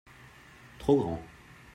trop grand.